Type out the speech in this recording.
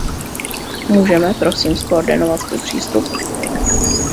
Můžeme, prosím, zkoordinovat svůj přístup?